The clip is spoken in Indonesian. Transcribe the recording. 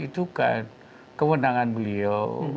itu kan kewenangan beliau